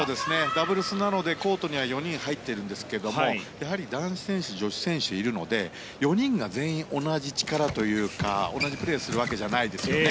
ダブルスなのでコートには４人入っているんですけれどもやはり男子選手、女子選手いるので４人が全員同じ力というか同じプレーをするわけじゃないですよね。